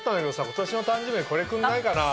今年の誕生日にこれくんないかな？